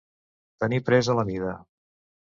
Tenir presa la mida.